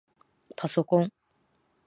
ぱそこん